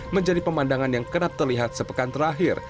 menjadi pemandangan yang kerap terlihat sepekan terakhir